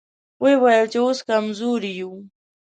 ويې ويل چې اوس کمزوري يو.